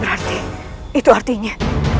berarti itu artinya